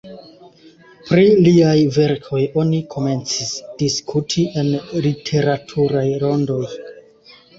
Pri liaj verkoj oni komencis diskuti en literaturaj rondoj.